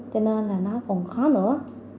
cho nên là nó còn khó nữa